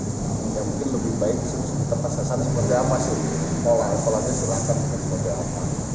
tapi mungkin harapan saya sih yang mungkin lebih baik disini tetap sesuai dengan apa sih pola polanya silakan